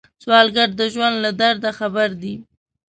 سوالګر د ژوند له درده خبر دی